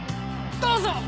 どうぞ！